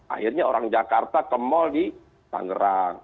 akhirnya orang jakarta kemol di tangerang